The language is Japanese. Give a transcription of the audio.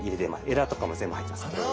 えらとかも全部入ってますので。